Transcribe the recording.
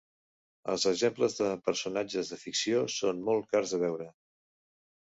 Els exemples de personatges de ficció són molt cars de veure.